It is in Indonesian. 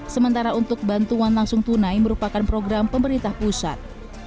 sementara untuk bantuan langsung tunai merupakan program pemerintah pusat